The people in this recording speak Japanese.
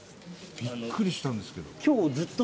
びっくりしたんですけど。